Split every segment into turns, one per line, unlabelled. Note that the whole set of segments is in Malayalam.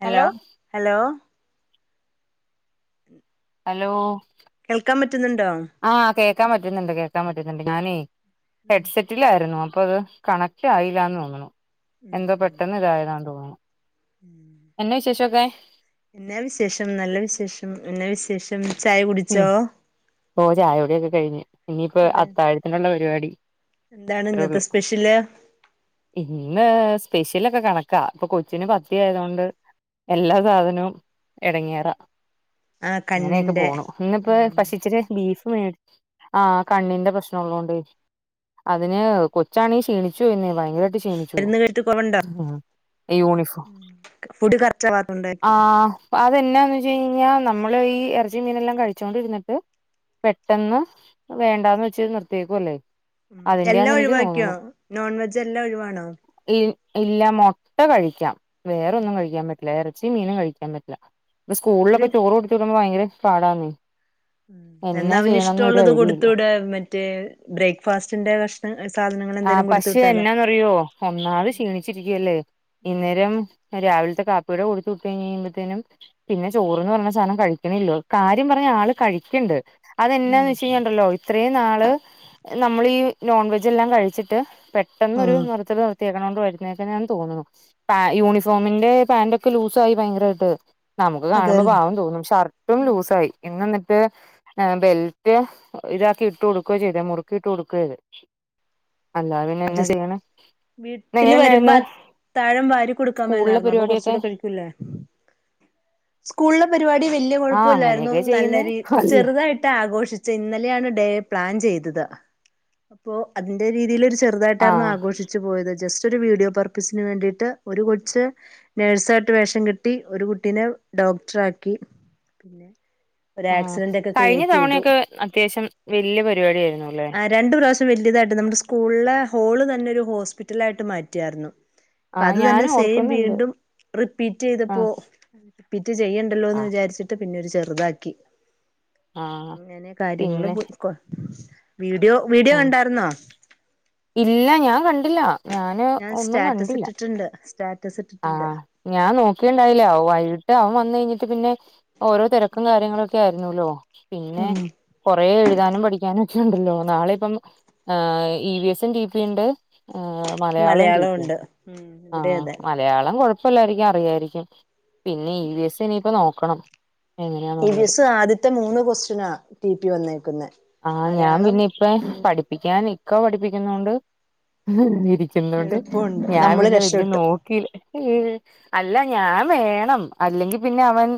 ഹലോ ഹലോ [inaudible]
ഹലോ
കേൾക്കാം പറ്റ്ന്ന്ണ്ടോ
ആഹ് കേക്കാം പറ്റ്ന്ന്ണ്ട് കേക്കാം പറ്റ്ന്ന്ണ്ട് ഞാനേ
ഉം
ഹെഡ്സെ റ്റില്ലായിരുന്നു അപ്പത് കണക്റ്റായിലാന്ന് തോന്നുണു
ഉം
എന്തോ
ഉം
പെട്ടെന്ന് ഇതായതാന്ന് തോന്ന്ണു എന്നാ വിശേഷൊക്കെ
എന്നാ വിശേഷം നല്ല വിശേഷം എന്നാ വിശേഷം ചായ കുടിച്ചോ
ഓഹ് ചായൊടി ഒക്കെ കഴിഞ്ഞു ഇഞ്ഞിപ്പോ
എന്തെ
അത്താഴത്തിന് ഉള്ള പരിപാടി
എന്താണ്
അത്രേ
ഇന്നത്തെ
ഉള്ളൂ
സ്പെഷില്
ഇന്ന് സ്പെഷ്യലൊക്കെ കണക്കാ ഇപ്പൊ കൊച്ചിന് പത്ത്യായതോണ്ട് എല്ലാ സാധനോം എടങ്ങേറാ
ആഹ് കണ്ണിന്റെ
ഇപ്പ
ഉം
പഷെ ഇച്ചിരെ ബീഫ് മേടി ആഹ് കണ്ണിന്റെ പ്രശ്നള്ളോണ്ടെ അതിന് കൊച്ചാണെങ്കി ക്ഷീണിച്ചു പോയെന്നെ ഭയങ്കരെ ട്ട് ക്ഷീണിച്ചു
മരുന്ന് കഴിച്ചിട്ട് കൊറവുണ്ടോ
ഉം ഈ യൂണിഫോം
ഫുഡ് കറക്റ്റാവാത്തോണ്ടായിര്ക്കും
അതെന്നാന്ന് വെച്ച് കഴിഞ്ഞാ നമ്മള് ഈ എറച്ചിം മീനെല്ലാം കഴി ച്ചോണ്ടിര്ന്നിട്ട് പെട്ടെന്ന് വേണ്ടാന്ന് വെച്ച് നിർത്തിയേക്കുല്ലേ
ഉം എല്ലാം ഒഴിവാക്കിയോ നോൺ വെജ് എല്ലാം ഒഴിവാണോ
ഇല്ല മൊട്ട കഴിക്കാം വേറൊന്നും കഴിക്കാൻ പറ്റില്ല ഇറച്ചി മീനും കഴിക്കാൻ പറ്റില്ല ഇ
ഒരു
സ്കൂളിലൊക്കെ ചോറ് കൊട്ത്ത് വിടുമ്പോ ഭയങ്കര പാടാന്നെ
ഉം എന്നാ അവന് ഇഷ്ടമുള്ളത്
ഐഡിയ ഇല്ല
കൊടുത്തു വിട് മറ്റേ ബ്രേക്ക്ഫാസ്റ്റിന്റെ കഷണ സാധനങ്ങൾ എന്തെങ്കിലും കൊടുത്തു വിട്ടാലോ
അയ്യോ ഒന്നാമത് ക്ഷീണിച്ചിരിക്കല്ലേ
ഉം
ഇന്നേരം രാവിലത്തെ കാപ്പി കൂടെ കൊടുത്തു വിട്ട് കഴ കഴിയുമ്പോഴത്തേനും പിന്നെ ചോറ്ന്ന് പറഞ്ഞ സാധനം കഴിക്കണല്ലോ കാര്യം പറഞ്ഞ ആള് കഴിക്കേണ്ട് അത്
ഉം
എന്നാന്ന് വെച്ച് കഴിഞ്ഞ ഉണ്ടല്ലോ അത്രയും നാള് നമ്മൾ ഈ നോൺവെജ് എല്ലാം കഴിച്ചിട്ട് പെട്ടെന്നു ഒരു
ഉം
നിർത്തല് നിർത്തി ണ്ട് വരുന്നേക്ക്‌ന്നാ തോന്നുന്നു യൂണിഫോമിന്റെ പാന്റ് ഒക്കെ ലൂസായി ഭയങ്കരമായിട്ട് നമുക്ക് കാണുമ്പോ
അതെല്ലേ
പാവം തോന്നും ഷർട്ടും
ഉം
ലൂസായി ഇന്ന് എന്നിട്ട് ആ ബെൽറ്റ് ഇതാക്കി ഇട്ട് കൊടുക്കുക ചെയ്തേ മുറുക്കിയിട്ട് കൊടുക്ക ചെയ്ത് അല്ലാതെ പിന്നെ എന്നാ
അഡ്ജസ്റ്റ്
ചെയ്യണെ എങ്ങനെ
വീട്ടില് വരുമ്പോ
ഉണ്ടായിരുന്നു
അത്താഴം വാരി കൊടുക്കാൻ
സ്കൂളിലെ
മേലായിരുന്നു അപ്പൊ
പരിപാടിയൊക്കെ
കൊറച്ചൂടെ കഴിക്കൂല്ലേ സ്കൂളിലെ പരിപാടി വല്ല്യ
ആഹ്
കുഴപ്പമില്ലായിരുന്നു
അങ്ങനെയൊക്കെ
നല്ല
ചെയ്യുന്നേ
രീ
അല്ല
ചെറുതായിട്ട് ആഘോഷി ച്ച്. ഇന്നലെയാണ് ഡേ പ്ലാൻ ചെയ്തത് അപ്പോ അതിന്റെ രീതിയില് ഒരു ചെ റുതായിട്ടായിരുന്നു
ആഹ്
ആഘോഷിച്ച് പോയത് ജസ്റ്റ് ഒരു വീഡിയോ പർപ്പസിന് വേണ്ടിയിട്ട് ഒരു കൊച്ച് നേഴ്സായിട്ട് വേഷം കിട്ടി ഒരു കുട്ടീനെ ഡോക്ടർ ആക്കി പിന്നെ ഒരു
ആ
ആക്സിഡന്റ് ഒക്കെ
കഴിഞ്ഞ
ക്രിയേറ്റ് ചെയ്തു
തവണയൊക്കെ അത്യാവശ്യം വല്യ പരിപാടി ആയിരുന്നു ല്ലേ
രണ്ടു പ്രാവശ്യം വല്ല്യേതായ്ട്ട് നമ്മുടെ സ്കൂളിലെ ഹോള് തന്നെ ഒരു ഹോസ്പിറ്റലായിട്ട് മാറ്റിയാർന്നു അപ്പ
ആഹ്
അത്
ഞാൻ
തന്നെ സെയിം
ഓർക്കുന്നുണ്ട്
വീണ്ടും റിപ്പീറ്റ് ചെയ്തപ്പോ
ആഹ്
റിപ്പീറ്റ് ചെയ്യണ്ട ല്ലോന്ന്
ആഹ്
വിചാരിച്ചിട്ട് പിന്നെ ഒരു ചെറുതാക്കി
ആഹ്
അങ്ങനെ കാര്യങ്ങള്
പിന്നെ
പോയി വീഡിയോ വീഡിയോ
ആഹ്
കണ്ടായിരുന്നോ
ഇല്ല ഞാൻ കണ്ടില്ല ഞാന്
ഞാൻ
ഒന്നും
സ്റ്റാറ്റസ്
കണ്ടില്ല
ഇട്ടിട്ടുണ്ട് സ്റ്റാറ്റസ് ഇട്ടിട്ടുണ്ട്
ആഹ് ഞാൻ നോക്കി ഇണ്ടായില്ല വൈകിട്ട് അവൻ വന്ന് കഴിഞ്ഞിട്ട് പിന്നെ ഓരോ തിരക്കും കാര്യങ്ങളൊക്കെ ആയിരുന്നുല്ലോ പിന്നെ
ഉം
കൊറേ എഴുതാനും പഠിക്കാനും ഒക്കെ ഉണ്ടല്ലോ നാളെ ഇപ്പം ആഹ് ഇ വി എസും ടി പി ഉണ്ട് മലയാളം ടി പി ഉണ്ട്
ഉം ഇവിടെ
ആഹ്
അതെ
മലയാളം കുഴപ്പില്ലായിരിക്കും അറിയായിരിക്കും പിന്നെ ഇ വി എസ് ഇനിയിപ്പ നോക്കണം
ഇ വി
എങ്ങനെയാന്നുള്ളത്
സ്സ് ആദ്യത്തെ മൂന്ന് ക്വസ്റ്റ്യൻ ആഹ് ടി പി വന്നേക്കുന്നത്
ആഹ് ഞാൻ
മലയാളം
പിന്നെ ഇപ്പ പഠിപ്പിക്കാൻ ഇക്ക പഠിപ്പിക്കുന്ന കൊണ്ട് ണ്ട്
എളുപ്പമുണ്ട്
ഞാൻ
നമ്മള്
പിന്നെ വലിയ നോ
രക്ഷപ്പെട്ടു
അല്ല ഞാൻ വേണം അല്ലെങ്കിൽ പിന്നെ അവൻ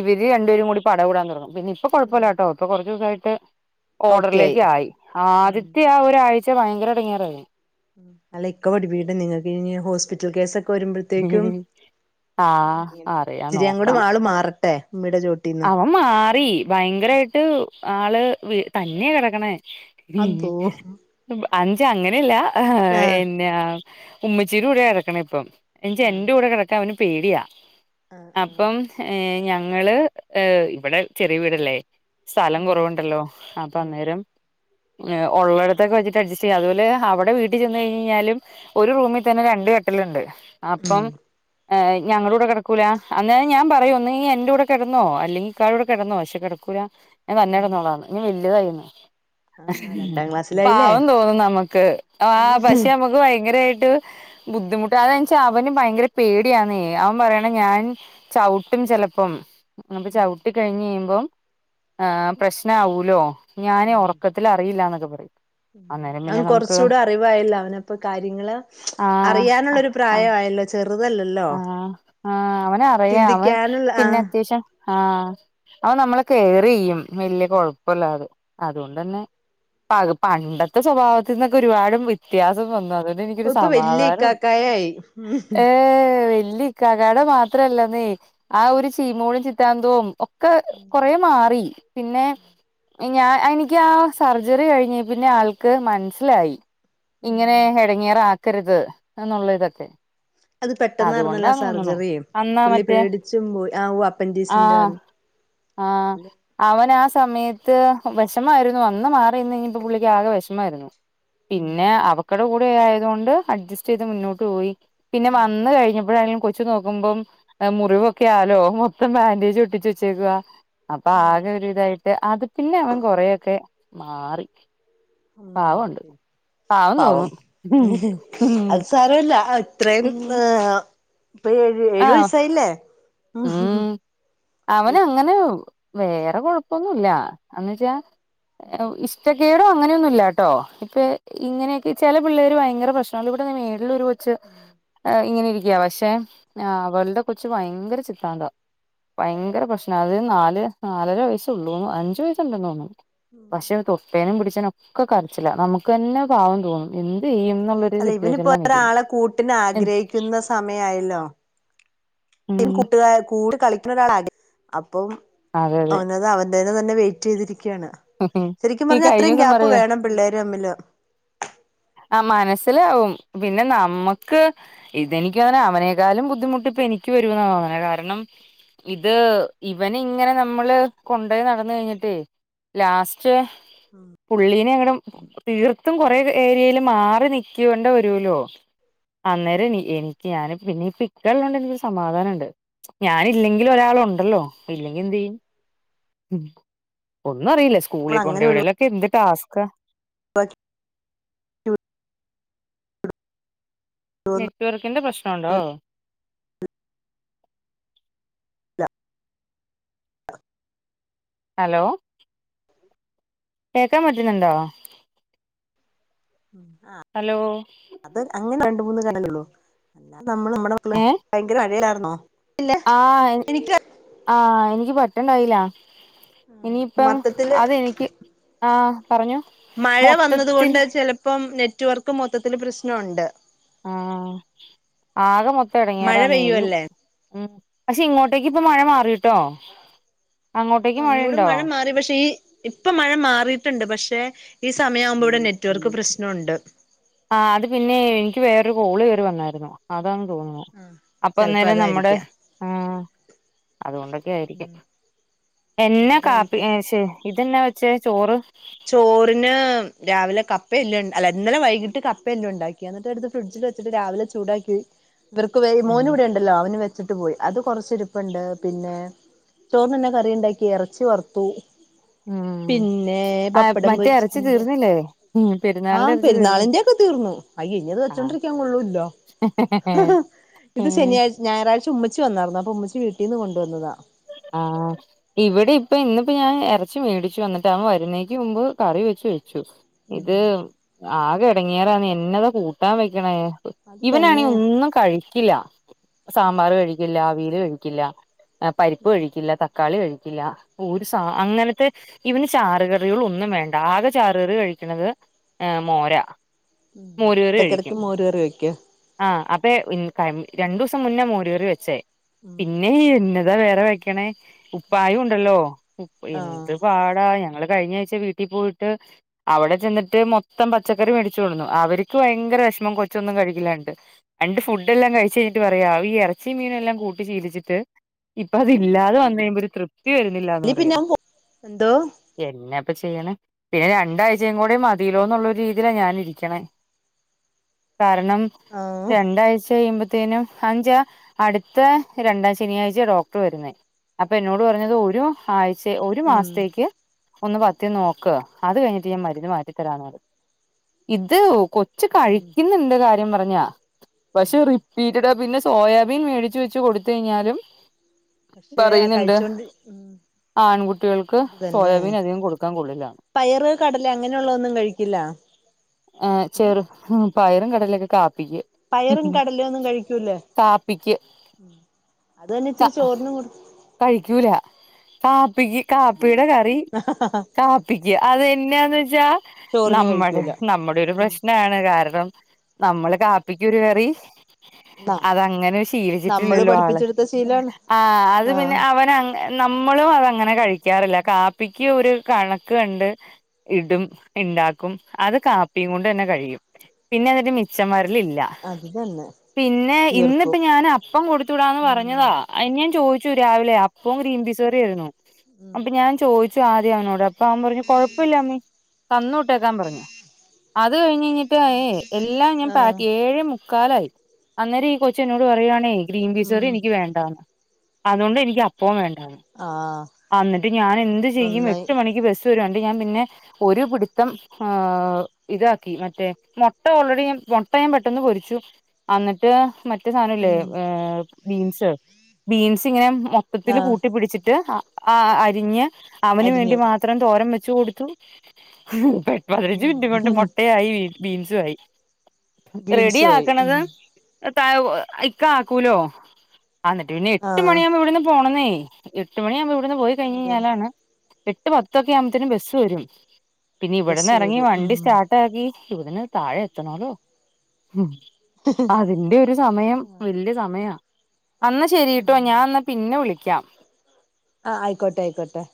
ഇവര് രണ്ടേരും കൂടി പട കൂടാൻ തൊടങ്ങും പിന്നെ ഇപ്പൊ കുഴപ്പമില്ല കേട്ടോ ഇപ്പൊ കുറച്ച് ദിവസ ആയിട്ട് ഓർഡറിലേക്ക് ആയി
ഉം
ആദ്യത്തെ ആഹ് ഒരു ആഴ്ച ച്ച ഭയങ്കര ഇടങ്ങിയറായിരുന്നു
ഉം അല്ല ഇക്ക പടിപികട്ടെ നിങ്ങൾക്ക് ഇനി ഹോസ്പിറ്റൽ കേസ്ക്കെ വരുമ്പോഴത്തേക്കും
ആഹ് അറിയാം
ഇച്ചിരി അങ്ങോട് ആള് മാറട്ടെ ഉമ്മീടെ ചോട്ടീന്ന്
അപ്പ മാറി ഭയങ്കരായിട്ട് ആള് തന്നെയ കിടക്കണേ
അതോ
ഉം അഞ്ച് അങ്ങനെല്ല
ആഹ്
എന്നാ ഉമ്മച്ചിട കൂടെ കിടക്കണ ഇപ്പൊ എനി
ആഹ്
എന്റെ കൂടെ കിടക്കാൻ അവന് പേടിയാ
ആഹ് ആഹ്
അപ്പം ഏഹ് ഞങ്ങള് ഏർ ഇവിടെ ചെറിയ വീടല്ലേ സ്ഥലം
ഉം
കുറവുണ്ടല്ലോ അപ്പൊ
ഉം
അന്നേരം ഉള്ളടത്തൊകെ വെച്ച് അഡ്ജസ്റ്റ് ചെയ്യാം അതുപോലെ അവിടെ വീട്ടിൽ ചെന്ന് കഴിഞ്ഞാലും ഒരു റൂമിൽ തന്നെ രണ്ട് കാട്ടിൽ ഉണ്ട് അപ്പം
ഉം
ഞങ്ങള കൂടെ കിടക്കൂല അന്ന ഞാൻ പറയൂന്ന് ഒന്നുകിൽ നി എന്റ കൂടെ കട ന്നോ അല്ലെങ്കിൽ ഇക്കാടെ കൂടെ കിടന്നോ പക്ഷെ കിടക്കൂല ഞാൻ തന്നെ
ഉം
കിടന്നോള എന്ന് ഞൻ വലുതായി എന്ന്
ആഹ് രണ്ടാം ക്ലാസ്സിലായില്ലേ
പാവം തോന്നും നമുക്ക്
ഉം
ആഹ് പക്ഷെ നമുക്ക് ഭയങ്കരമായിട്ട് ബുദ്ധിമുട്ട് അതെച്ച അവന് ഭയങ്കര പേടിയന്ന് അവൻ പറയണ ഞാൻ ചവിട്ടും ചിലപ്പം ചവിട്ട ട്ടി കഴിഞ്ഞ് കഴിയുമ്പോ പ്രശ്ന ആവുലോ ഞാനേ ഒറക്ക അറിയില്ലാ എന്നൊക്കെ പറിയും
ഉം അവ കൊറച്ചൂടെ അറിവായില്ല അവനപ്പ കാര്യങ്ങള്
ആഹ്
അറിയാനുള്ളൊരു
ആഹ്
പ്രായയല്ലോ ചെറുതല്ലല്ലോ
ആഹ് ആഹ് അവന് അറിയ അവൻ
ചിന്തിക്കാനുള്ള
പിന്നെ
ആഹ്
അത്യാവശ്യം ആഹ് അവൻ നമ്മളെ കേയറ് ചെയ്യും വല്യ കൊഴപ്പല്ലാതെ അതുകൊണ്ട ന്നെ പ പണ്ടത്തെ സ്വഭാവത്തിന്നൊരു ഒരുപാട് വ്യത്യാസം വന്നു അത് ന്നെ എനിക്കോരു
ഇപ്പൊ വല്യ
സമാധാനം ഉണ്ട്
ഇക്കാക്കായായി
ഏഹ് വലിയ ഇക്കാക്കട മാത്രല്ലനേ ആഹ് ഒരു ചീമോളും ചിത്താന്തോം ക്കെ കൊറെ മാറി പിന്നെ ഞാ എനിക്കാ സർജറി കഴിഞ്ഞ പിന്നെ ആൾക്ക് മനസ്സിലായി ഇങ്ങനെ
ഉം
എടങ്ങേറ് ആക്കരുത് എന്നുള്ള ഇതൊക്കെ
അത് പെട്ടെന്ന ആരുന്നാലോ ആഹ്
അതുകൊണ്ടാന്ന് തോന്നുണു
സർജറി
അന്നാ
പുള്ളി
മറ്റേ
പേടിച്ചും പോയി ആഹ് അപ്പൻഡീസിന്റെ വ
ആഹ് അവനാ സമയത്ത് വെഷമായിരുന്നു അന്ന് മാറിന്ന്പ്പോ പുള്ളിക്ക് ആകെ വെഷമായിരുന്നു
ഉം
പിന്നെ അവക്കടെ കൂടെ ആയതൊണ്ട് അഡ്ജസ്റ്റ് ചെയ്ത് മുന്നോട്ട് പോയി പിന്നെ വന്ന് കഴിഞ്ഞപ്പോഴാണങ്കിലും കൊച്ചു നോക്കുമ്പോം മുറിവൊക്കെയ ആലോ മൊത്തം ബാൻഡേജ് ഒട്ടിച്ച് വച്ചേക്ക അപ്പൊ
ഉം
ആകെ ഒരു ഇതായിട്ട് അത് പിന്നെ അവൻ കൊറെ യോക്കെ മാറി
ഉം
പാവം ഉണ്ട് പാവം തോന്നു
അല്ല ഇത്രയും ഏഹ് ഇപ്പ ഏഴു ഏഴു
ആഹ്
വയസായില്ലേ
ഉം അവന് അങ്ങനെ വേറെ കൊഴപ്പൊന്നുല്ല എന്നച്ചാ ഇഷ്ട കേണു അങ്ങനെയൊന്നും ഇല്ല ട്ടോ ഇപ്പൊ ഇങ്ങനെക്കെ ചില പിള്ളേര് ഭയങ്കര പ്രശ്നാ ഇവിടെ മേളില് ഒരു കൊച് ച്ച് ഇങ്ങനെ ഇരിക്ക പക്ഷെ അവൾടെ കൊച്ച് ഭയങ്കര സിദ്ധാന്തം ആഹ് ഭയങ്കര പ്രശ്നാത് നാല് നാലര വയസൊള്ളൂ അഞ്ച് വയസ്സുണ്ടന്ന് തോന്നു. പക്ഷെ തൊട്ടെനും പിടിച്ചനൊ ക്കെ കരച്ചില നമുക്ക് തന്നെ പാവം തോന്നും എന്ത്യ്യും ന്ന്ള്ളരു
അല്ല ഇവനിപ്പോ ഒരാളെ കൂട്ടിനാഗ്രഹിക്കുന്ന സമയായല്ലോ. പി
ഉം
[unintelligible] കുട്ടുക കൂടി കളിക്കുന്ന ഒരാളാക അപ്പം
അതെ അതെ
അവനത് അവ ന്തേതിനെ തന്നെ വെയിറ്റീ തിരികാണ് ശരിക്കും
ഈ
പറഞ്ഞാ
കഴിഞ്ഞ
അത്രേം
ദിവസം
ഗ്യാപ്പ്
പറയാ
വേണം പിള്ളേര് തമ്മില്.
അ മനസ്സിലാവും പിന്നെ നമ്മക്ക് ഇതെനിക്കങ്ങനെ അവനേക്കളും ബുദ്ധിമുട്ട് ഇപ്പൊ എനിക്ക് വരുന്ന തോന്ന്ണെ കാരണം ഇത് ഇവനിങ്ങനെ നമ്മള് കൊണ്ടയ് നടന്ന് കഴിഞ്ഞിട്ടേയ് ലാസ്റ്റ്
ം
പുള്ളീനെ ങ്ങടും തീർത്തും കൊറെേ ഏരിയെല് മാറി നിക്കൊണ്ട വരൂലോ. അന്നേരം എനിക്ക് ഞാന് പിന്നിപ്പൊ ഇക്കള്ളോണ്ട് നിക്കൊരു സമാധാനണ്ട്. ഞാനില്ലെങ്കിലൊരാളുണ്ടല്ലോ ഇല്ലെങ്കി എന്തിയ്യും. ഒന്നുറിയില്ല സ്കൂളി
നമ്മള്
കൊണ്ട് വിടലൊക്കെ എന്ത് ടസ്ക്ക.
പഠ്
നെറ്റ്വർക്കിന്റെ പ്രശ്നോണ്ടോ? അലോ? കേക്കാ പറ്റുന്നുണ്ടോ?
അ
ഹലോ
അത് അങ്ങനെ രണ്ട് മൂന്ന് കാര്യോള്ളു ല്ലാതെ നമ്മള് നമ്മടെ മക്കളെ ഭയങ്കര മഴയാർന്നോ.
ആഹ് എനി ആഹ് എനിക്ക് പെട്ടണ്ടായില. ഇനിയിപ്പം
മൊത്തത്തില്
അതെനിക്ക് ആഹ് പറഞ്ഞോ.
മഴ വന്നത്
മൊത്തത്തിൽ
കൊണ്ട് ചലപ്പം നെറ്റ്വർക്ക് മൊത്തത്തില് പ്രശ്നൊണ്ട്.
ആഹ് ആകെ മൊത്തം എ
മഴ
ടങ്ങേറാന്നെയ്.
പെയ്യുവല്ലേ
ം പക്ഷെ ഇങ്ങോട്ടേക്ക് ഇപ്പ മഴ മാറീട്ടോ.
ങ്ങോടും മഴ മാറി പക്ഷേ ഈ ഇപ്പൊ മഴ മാറീട്ടുണ്ട് പക്ഷെ ഈ സമയം ആവുമ്പോ ഇവിടെ നെറ്റ്വർക്ക് പ്രശ്നൊണ്ട്.
ആ അത് പിന്നെ എനിക്ക് വേറൊരു കോള് കയറി വന്നായിരുന്നു അതാെന്ന് തോന്നുന്നു.
ആഹ്
അപ്പൊ
ചെലപ്പോ
അന്നോരം നമ്മുടെ
അതായിരിക്കാം
അ് അതുകൊണ്ടൊക്കെ ആയിരിക്കും.
ഉം
എന്നാ കാപ്പി ഏ
അതായിരിക്കാം
ശെ ഇതെന്നാ വെച്ചേ ചോറ്.
ചോറിന് രാവിലെ കപ്പല്ലെണ്ട് അല്ല ഇന്നലെ വൈകിട്ട് കപ്പയെല്ലാം ഉണ്ടാക്കി ന്നിട്ട് എടുത്ത് ഫ്രിഡ്ജിൽ വച്ചിട്ട് രാവിലെ ചൂടാക്കി ഇവർക്ക് വേ
ഉം
മോനിവിടെ ണ്ടല്ലോ അവന് വെച്ചിട്ട് പോയി അത് കുറച്ച ഇരിപ്പുണ്ട് പിന്നെ ചോറിന്നെന്നാ കറി ഉണ്ടാക്കി ഇറച്ചി വറുത്തു
ഉം
പിന്നെ
ആ
പപ്പടം
മറ്റേ ഇറച്ചി
പൊരിച്ചത്ണ്ട്
തീർന്നില്ലേ പെരുന്നാളിന്റെ
ആഹ്
ഇറച്ചി തീർന്നില്ലേ
പെരുന്നാളിന്റെക്കെ തീർന്നു. അയ്യെ ഇഞ്ഞിത് വെച്ചൊണ്ടിരിക്കാൻ കൊള്ളൂല്ലോ?
അ് ഹ് ഹ്
ഇത് ശനിയാഴ്ച ഞായറാഴ്ച ഉമ്മച്ച വന്നാർന്നു അപ്പൊ ഉമ്മച്ചി വീട്ടീന്ന് കൊണ്ടുവന്നതാ.
ആഹ് ഇവിടെ ഇപ്പ ഇന്നിപ്പോ ഞാൻ ഇറച്ചി മേടിച്ചു വന്നിട്ട് വരുന്നേക്ക് മുമ്പ് കറി വെച്ച് വെ ചു
ഉം
ഇത് ആകെ ഇടങ്ങീറാന്നെ എന്നതാ കൂട്ടാൻ വെക്കണേ?
അത്
ഇവനാണെ
തന്നെ
ഒന്നും കഴിക്കില്ല
ഉം
സാമ്പാർ കഴിക്കില്ല അവീല് കഴിക്കില്ല. പരിപ്പ് കഴിക്കില്ല തക്കാളി കഴിക്കില്ല ഒരു സ അങ്ങനത്തെ ഇവന് ചാറ്കറികൾ ഒന്നും വേണ്ട ആകെ ചാറുകറി കഴിക്ക്ണത് ഏ മോര. മോരുകറി
ഇടക്കിടക്ക്
കഴിക്കും
മോര് കറി വയ്ക്കോ?
ആഹ് അപ്പേ രണ്ടൂസം മുന്നേ മോരകറി വെച്ചേ.
ഉം
പിന്നെ എന്താ വേറെ വെക്കണേ ഉപ്പായും ഉണ്ടല്ലോ ഉപ്പ എന്ത്
ആഹ്
പാടാ ഞങ്ങള് കഴിഞ്ഞ ആഴ്ച ച്ച വീട്ടി പോയിട്ട് അവിടെ ചെന്നിട്ട് മൊത്തം പച്ചക്കറി മേടിച്ചൊടുന്നു അവർക്ക് ഭയങ്കര വിഷ്മം കൊച്ചൊന്നും കഴിക്കലാട്ട്. രണ്ട് ഫുഡ് എല്ലാം കഴിച്ചെഴിഞ്ഞിട്ട് പറയാ ഈ ഇറച്ച മീനെല്ലാം കൂട്ടി ശീലിച്ചിട്ട്. ഇപ്പൊ അതില്ലാതെ വന്ന്ഴിമ്പോ ഒരു തൃപ്തി വരുന്നില്ലാന്ന്
അല്ലെ പിന്നെ
പറയാ.
അവൻ പോ എന്തോ
എന്നാപ്പൊ ചെയ്യണെ ദേ രണ്ടാഴ്ചയും കൂടെ മതിലോന്നുള്ളൊരു രീതീലാ ഞാനിരിക്കണെ. കാരണം
ആഹ്
രണ്ടാഴ്ച കഴിയുമ്പോതന്ന പത്തിേനും അഞ്ച അടുത്ത രണ്ടാം ശനിയാഴ്ച ഡോക് വരുന്ന അപ്പൊ എന്നോട് പറഞ്ഞത് ഒരു ആഴ്ച ഒരു
ഉം
മാസത്തേക്ക് ഒന്ന് പത്തി നോക്ക അത് കഴിഞ്ഞിട്ട് ഞാൻ മരുന്ന് മാറ്റിത്തരാന്നത് ഇത് കൊ ഇച്ച്
ഉം
കഴിക്കുന്നുന്റെ കാര്യം പറഞ്ഞാ പക്ഷെ റിപ്പീറ്റഡ പിന്നെ സോയാബീൻ മേടിച്ച് വെച്ച് കൊടുത്ത കഴിഞ്ഞാലും
പക്ഷെ
പറയുന്നുണ്ട്
കഴിച്ചോണ്ട്
ആൺകുട്ടികൾക്ക്
അത് തന്നെ
സോയാബീൻ അധികം കൊടുക്കാൻ കൊള്ളില്ല
പയറ് കടല് അങ്ങനെയുള്ളതൊന്നും കഴിക്കില്ല
ആ്ഹ്
ഉം
ചെറു പയറും കടലൊക്കെ കാപ്പിക്ക്
പയറും കടല ഒന്നും കഴിക്കൂല്ലേ
കാപ്പിക്ക്
അത് തന്നെ
ക
ഇച്ചിരി ചോറിനും കൊ
കഴിക്കൂല കാപ്പിക്ക് കാപ്പിയുടെ കറി
ആഹ ഹ ഹ
കാപ്പിക്കു അതെയെന്നയുന്ന വെച്ച
ചോറിന്
നമ്മുടെ
കഴിക്കൂല
നമ്മുടെ ഒരു
ഉം
പ്രശ്നാണ് കാരണം നമ്മള് കാപ്പിക്കുരു കറി
ന
അതങ്ങനെ
നമ്മള്
ശീലിച്ചിട്ടില്ലല്ലോ ആള്
പഠിപ്പിച്ചെടുത്ത ശീലാണ്
ആഹ് അത് പിന്നെ
ആഹ്
അവന നമ്മളും അതങ്ങനെ കഴിക്കാറില്ല കാപ്പിക്ക് ഒരു കണക്ക് കണ്ട് ഇടും ഉണ്ടാക്കും അത് കാപ്പിയും കൊണ്ട് തന്നെ കഴിയും പിന്നെ അിട്ടന്റെ മിച്ചന്മാരില ഇല്ല
അത് തന്നെ
പിന്നെ ഇന്നിപ്പ
തീർക്കും
ഞൻ അപ്പം കൊടുത്ത വിടാന്ന് പറഞ്ഞ
ഉം
അഹ് ഞാൻ ചോദിച്ചു രാവിലെ അപ്പം ഗ്രീം ബിസറി ആയിരുന്നു
ഉം
അപ്പൊ ഞാൻ ചോയിച്ച പ ആദ്യം അവനോട് അപ്പൊ അവൻ പറഞ്ഞു കൊഴപ്പമില്ലമ്മീ തന്നോട്ടേക്കാൻ പറഞ്ഞു അത് കഴിഞ്ഞ് കഴിഞ്ഞ എല്ലാം ഞാൻ
ആഹ്
പാക്ക് ഏഴേ മുക്കാലായി അന്നേരം ഈ കൊച്ച എന്നോട് പറയുണേ ഗ്രീൻ
ഉം
പീസറി എനിക്ക് വേണ്ടാണ് അതുകൊണ്ട് എനിക്ക് അപ്പവും വേണ്ടന്ന്
ആഹ്
ആന്നിട്ട് ഞാൻ എന്ത് ചെയ്യും
നന്നായി
എട്ട് മണിക്ക് ബസ് വരുണ്ട് ഞാൻ പിന്നെ ഒരു പിടിത്തം ആഹ് ഇതാക്കി മറ്റേ മുട്ട ഓൾറെഡി മുട്ടയും പെട്ടെന്ന് പൊരിച്ചു അന്നിട്ട് മറ്റ മറ്റ സാനംല്ലേ
ഉം
ബീൻസ് ബീൻസ് ഇങ്ങനെ മൊത്തത്തില്
ആഹ്
കൂട്ടി പിടിച്ചിട്ട് ആഹ് അരിഞ്ഞ് അവന് വേണ്ടി
അരിഞ്ഞു
മാത്രം തോരം വെച്ച കൊടുത്തു പെട്ട - പതിനഞ്ച് മിനിറ്റ് കൊണ്ട്
ഉം
മുട്ടയായി ബീൻസു ആയി റെഡി
ബീൻസുവായി
ആക്കണത്
ഉം
തായേ ഇക്കാ ആകൂലോ ആന്നിട്ട് പിന്നെ എട്ട്
ആഹ്
മണിയാവുമ്പ ഇവിടുന്ന് പോണന്നേ എട്ട് മണിയാവുമ്പോ ഇവിടുന്ന് പോയി കഴിഞ്
അതെ
കഴിഞ്ഞാലാണ് എട്ട് പത്തൊക്കെ ആകുമ്പത്തിനും ബസ് വരും പിന്നെ ഇവിടുന്ന്
ബസ്
ഇറങ്ങി
വരും
വണ്ടി
ഉം
സ്റ്റാർട്ട് രാഗി ഇവ്ട്ന്ന് താഴെത്തണോലോ അപ്പൊഅതിന്റെ ഒരു സമയം വല്യ സമയ അന്നശരിട്ടോ ഞാന്ന പിന്നെ വിളിക്കാം
ആഹ് അയിക്കോട്ടെ അയിക്കോട്ടെ